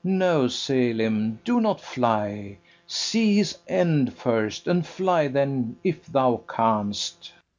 FERNEZE. No, Selim, do not fly: See his end first, and fly then if thou canst.